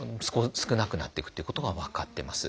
少なくなっていくっていうことが分かってます。